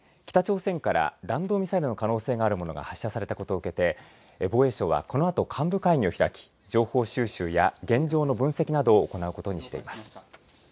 北朝鮮から弾道ミサイルの可能性があるものが発射されたことを受けて防衛省はこのあと幹部会議を開き情報収集や現状の分析などを行うことにしています。